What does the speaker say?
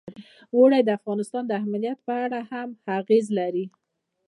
اوړي د افغانستان د امنیت په اړه هم اغېز لري.